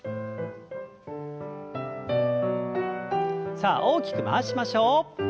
さあ大きく回しましょう。